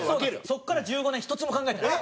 そこから１５年１つも考えてない。